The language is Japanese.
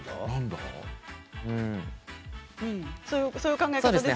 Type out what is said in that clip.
そういう考え方ですよね。